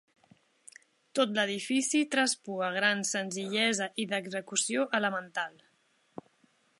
Tot l'edifici traspua gran senzillesa i d'execució elemental.